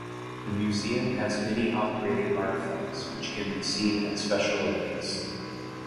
The museum has many operating artifacts which can be seen at special events.